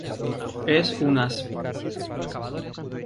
Es un asp.